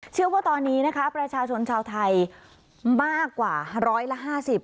เชื่อว่าตอนนี้นะคะประชาชนชาวไทยมากกว่าร้อยละห้าสิบ